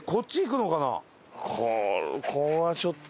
ここはちょっと。